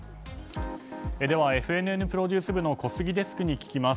ＦＮＮプロデュース部の小杉デスクに聞きます。